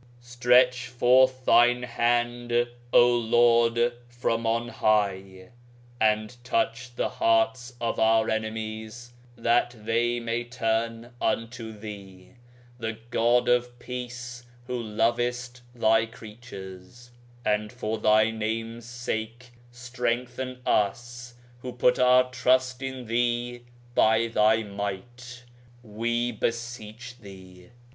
Stretch forth Thine hand, O Lord, from on high, and touch the hearts of our enemies, that they may turn unto Thee, the God of peace Who lovest Thy creatures: and for Thy Name's sake strengthen us who put our trust in Thee by Thy might, we beseech Thee.